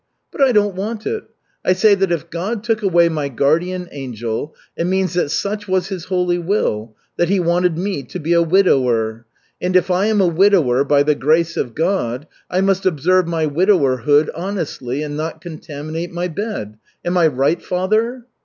But I don't want it. I say that if God took away my guardian angel, it means that such was His holy will, that He wanted me to be a widower. And if I am a widower by the grace of God, I must observe my widowerhood honestly and not contaminate my bed. Am I right, father?"